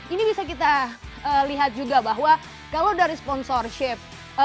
ini bisa kita lihat juga bahwa kalau dari sponsorship